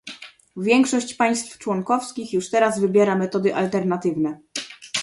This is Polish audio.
Większość państw członkowskich już teraz wybiera metody alternatywne